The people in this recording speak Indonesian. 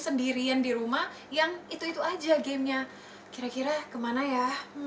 sendirian di rumah yang itu itu aja gamenya kira kira kemana ya